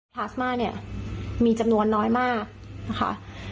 ลาสมาเนี่ยมีจำนวนน้อยมากนะคะ